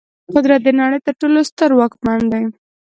قدرت د نړۍ تر ټولو ستر واکمن دی.